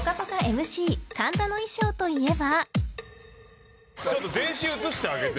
ＭＣ神田の衣装といえば。